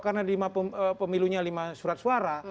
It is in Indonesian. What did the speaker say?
karena lima pemilunya lima surat suara